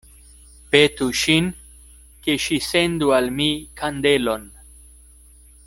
Petu ŝin, ke ŝi sendu al mi kandelon.